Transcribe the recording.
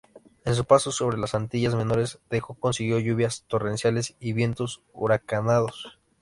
En su paso sobre las Antillas menores dejó consigo lluvias torrenciales y vientos huracanados.